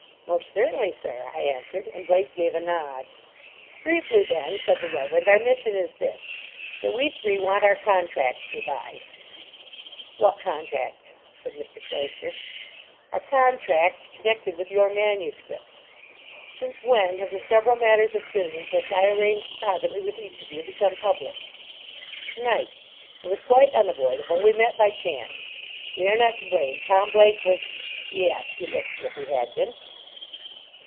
"Most certainly, sir," I answered. And Blake gave a nod. "Briefly, then," said the Reverend, "our mission is this: that we three want our contracts revised." "What contracts?" said Mr. Cloyster. "Our contracts connected with your manuscripts." "Since when have the several matters of business which I arranged privately with each of you become public?" "Tonight. It was quite unavoidable. We met by chance. We are not to blame. Tom Blake was——" "Yes, he looks as if he had been."